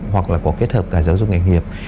hoặc là có kết hợp giáo dục nghệ nghiệp